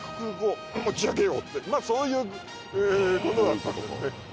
そういうことだったんですね。